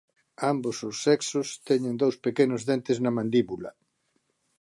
Ambos os sexos teñen dous pequenos dentes na mandíbula.